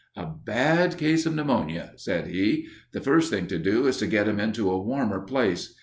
"A bad case of pneumonia," said he. "The first thing to do is to get him into a warmer place.